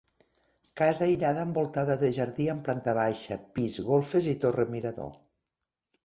Casa aïllada envoltada de jardí amb planta baixa, pis, golfes i torre mirador.